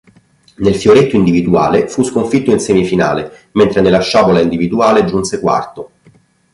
Nel fioretto individuale fu sconfitto in semifinale mentre nella sciabola individuale giunse quarto.